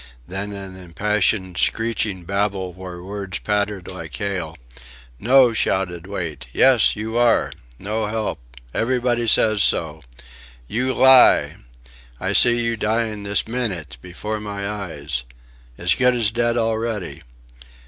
Then an impassioned screeching babble where words pattered like hail. "No!" shouted Wait. "Yes. You are!... No help.... Everybody says so." "You lie!" "I see you dying this minnyt... before my eyes... as good as dead already."